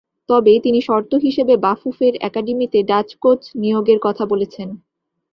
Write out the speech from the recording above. তবে তিনি শর্ত হিসেবে বাফুফের একাডেমিতে ডাচ কোচ নিয়োগের কথা বলেছেন।